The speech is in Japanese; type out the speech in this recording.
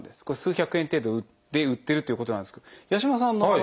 これ数百円程度で売ってるということなんですけど八嶋さんの。